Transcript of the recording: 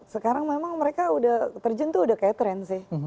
sekarang memang mereka sudah terjun itu sudah kayak tren sih